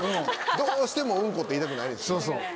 どうしてもうんこって言いたくないねん島尾。